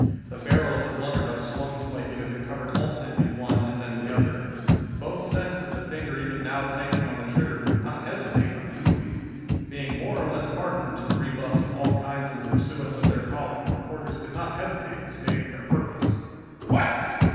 The barrel of the blunderbuss swung slightly as it covered alternately one and the other. Both sensed that the finger even now tightening on the trigger would not hesitate unduly. Being more or less hardened to rebuffs of all kinds in the pursuance of their calling, the reporters did not hesitate in stating their purpose. "What?"